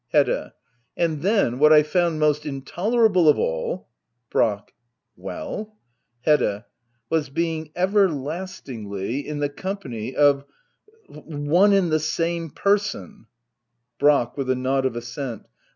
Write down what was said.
Hedda. And then, what I found most intolerable of all Brack. Well } Hedda. ^was being everlastingly m the company of — one and the same person Brack. [With a nod oj assent.'